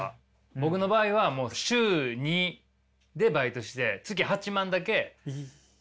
僕の場合はもう週２でバイトして月８万だけ稼ぐっていう。